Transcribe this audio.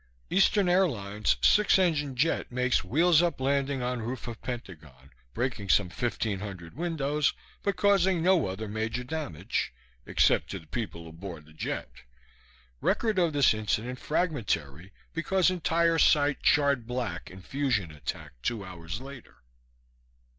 Eastern Airlines six engine jet makes wheels up landing on roof of Pentagon, breaking some 1500 windows but causing no other major damage (except to the people aboard the jet); record of this incident fragmentary because entire site charred black in fusion attack two hours later.